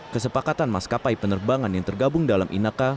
kesepakatan maskapai penerbangan yang tergabung dalam inaka